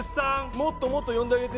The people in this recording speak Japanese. もっともっと呼んであげて。